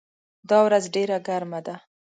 دا ورځ ډېره ګرمه ده.